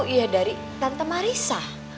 ya dari tante marissa